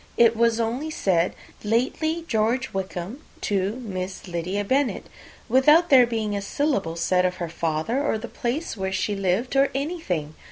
It was only said, 'Lately, George Wickham, Esq., to Miss Lydia Bennet,' without there being a syllable said of her father, or the place where she lived, or anything.